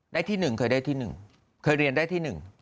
ได้ที่๑เคยได้ที่๑เคยเรียนได้ที่๑